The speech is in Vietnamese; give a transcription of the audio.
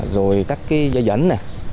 rồi các cái dây dẩn này